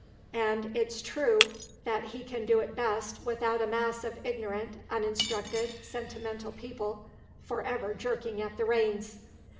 And it's true that he can do it best without a mass of ignorant, uninstructed, sentimental people for ever jerking at the reins.